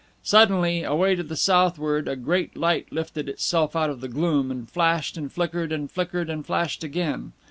Suddenly, away to the southward, a great light lifted itself out of the gloom, and flashed and flickered, and flickered and flashed again.